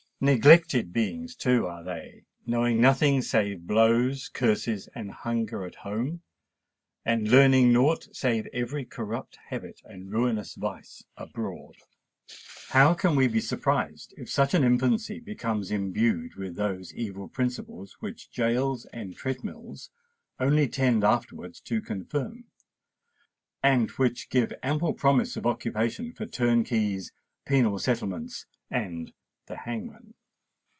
Neglected beings, too, are they—knowing nothing save blows, curses, and hunger at home, and learning naught save every corrupt habit and ruinous vice abroad. How can we be surprised if such an infancy becomes imbued with those evil principles which gaols and treadmills only tend afterwards to confirm, and which give ample promise of occupation for turnkeys, penal settlements, and the hangman?